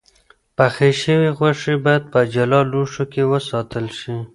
پخې شوې غوښې باید په جلا لوښو کې وساتل شي.